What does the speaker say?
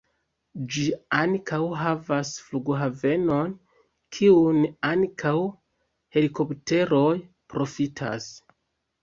Ĝi ankaŭ havas flughavenon, kiun ankaŭ helikopteroj profitas.